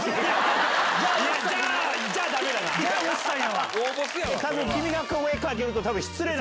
じゃあ、だめだな。